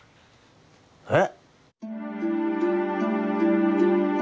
えっ？